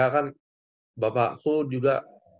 iya kan bapakku juga